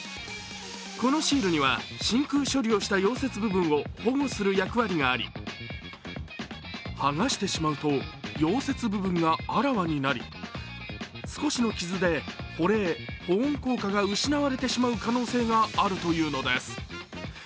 このシールには真空処理をした溶接部分を保護する役割があり剥がしてしまうと溶接部分があらわになり、少しの傷で、保冷・保温効果が失われてしまう可能性があるというのです。